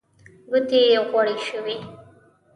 ګوتې يې غوړې شوې.